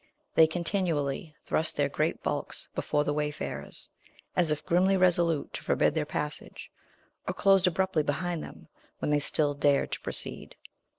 They continually thrust their great bulks before the wayfarers, as if grimly resolute to forbid their passage, or closed abruptly behind them, when they still dared to proceed.